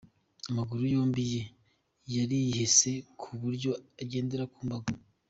Amaguru yombi ye yarihese ku buryo agendera ku mbago.